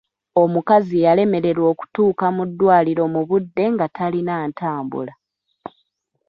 Omukazi yalemererwa okutuuka mu ddwaliro mu budde nga talina ntambula.